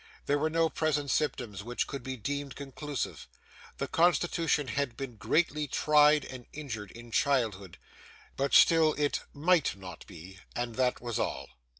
There were no present symptoms which could be deemed conclusive. The constitution had been greatly tried and injured in childhood, but still it MIGHT not be and that was all.